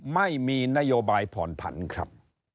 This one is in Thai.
ไม่มีนโยบายผ่อนผันครับ